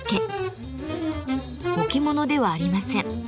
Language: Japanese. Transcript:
置物ではありません。